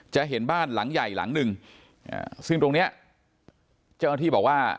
เห็นบ้านหลังใหญ่หลังหนึ่งซึ่งตรงเนี้ยเจ้าหน้าที่บอกว่า